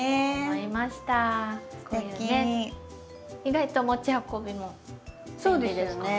意外と持ち運びも便利ですからね。